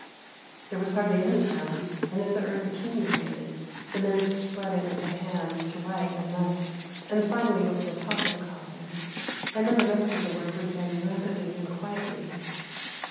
There was hardly any sound, and, as the earth accumulated, the men spread it with their hands to right and left, and finally over the top of the coffin, and then the rest of the work was done rapidly and quietly.